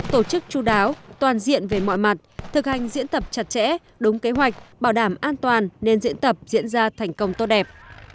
tổ chức chú đáo toàn diện về mọi mặt thực hành diễn tập chặt chẽ đúng kế hoạch bảo đảm an toàn nên diễn tập diễn ra thành công tốt đẹp